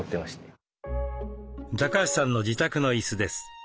高橋さんの自宅の椅子です。